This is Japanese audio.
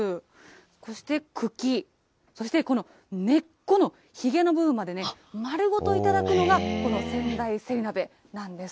そして茎、そして根っこのひげの部分までね、丸ごといただくのが、この仙台せり鍋なんです。